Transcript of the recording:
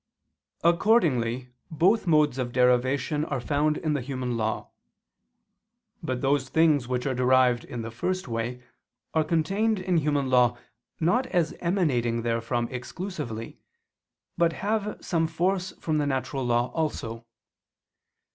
Accordingly both modes of derivation are found in the human law. But those things which are derived in the first way, are contained in human law not as emanating therefrom exclusively, but have some force from the natural law also.